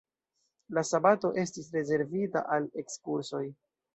La sabato estis rezervita al ekskursoj.